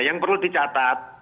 yang perlu dicatat